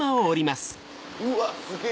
うわすげぇ。